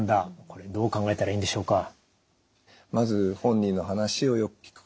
これどう考えたらいいんでしょうか？